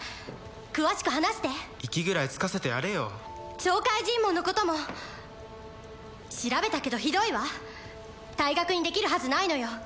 詳しく話して息ぐらいつかせてやれよ懲戒尋問のことも調べたけどひどいわ退学にできるはずないのよ